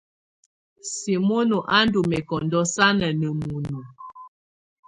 Simono á ndɔ́ mɛ́kɔndɔ́ sánà ná munuǝ.